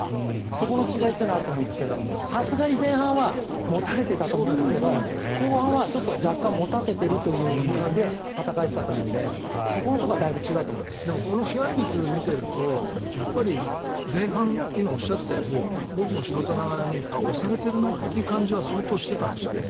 そこの違いっていうのはあると思うんですがさすがに前半は持たれていたと思うんですが後半は若干持たせているというイメージで戦えていたと思うのでそこのところはこの支配率を見ていると前半、今おっしゃったように僕も素人ながらに押されてるなという感じは相当していたんですね。